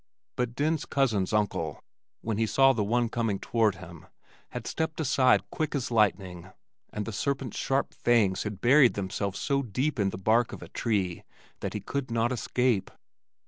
But Den's cousin's uncle, when he saw the one coming toward him, had stepped aside quick as lightning, and the serpent's sharp fangs had buried themselves so deep in the bark of a tree, that he could not escape.